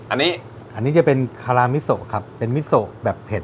อันนี้อันนี้จะเป็นคารามิโซครับเป็นมิโซแบบเผ็ด